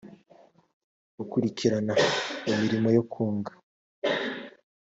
gukurikirana imirimo yo kunga